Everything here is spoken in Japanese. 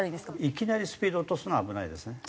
いきなりスピード落とすのは危ないですね。